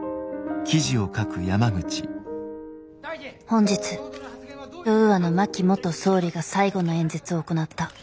本日ウーアの真木元総理が最後の演説を行った。